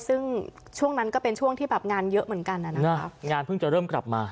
ซึ่งช่วงนั้นก็เป็นช่วงที่แบบงานเยอะเหมือนกันนะครับงานเพิ่งจะเริ่มกลับมา